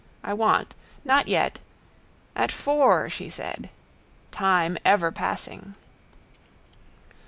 I want. Not yet. At four, she said. Time ever passing.